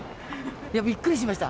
びっくりしました。